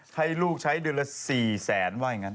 ให้ลูกใช้เดือนละ๔แสนว่าอย่างนั้น